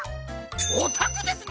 おたくですね